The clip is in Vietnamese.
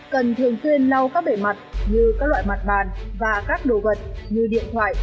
cần thường tuyên lau các bể mặt như các loại mặt bàn và các đồ vật như điện thoại